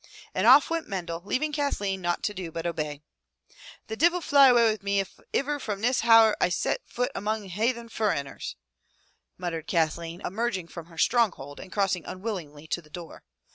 And off went Mendel, leaving Kathleen naught to do iDut obey. "The divil fly away wid me if iver from this hour I set foot again among hay then furriners," muttered Kathleen emerging from her stronghold and crossing unwillingly to the door.